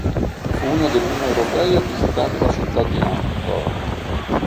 Fu uno dei primi europei a visitare la città di Angkor.